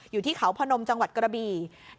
อยู่ที่เขาพนมจังหวัดกระบี่